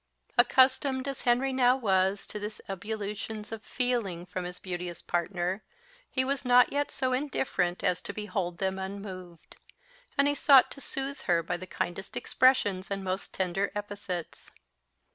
Accustomed as Henry now was to these ebullitions of feeling from his beauteous partner, he was not yet so indifferent as to behold them unmoved; and he sought to soothe her by the kindest expressions and most tender epithets.